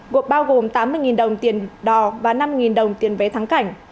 cuộc bao gồm tám mươi đồng tiền đò và năm đồng tiền vé thắng cảnh